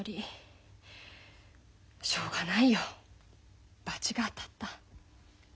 しょうがないよバチが当たった。